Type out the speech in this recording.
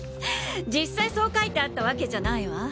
実際そう書いてあったわけじゃないわ。